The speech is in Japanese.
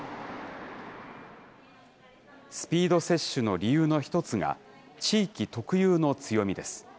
スピード接種の理由の一つが、地域特有の強みです。